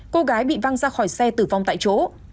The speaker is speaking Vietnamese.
cô gái bị văng ra khỏi xe tử vong tại chỗ